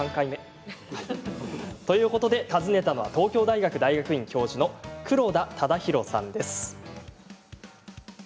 ということで訪ねたのは東京大学大学院教授の黒田忠広さんです。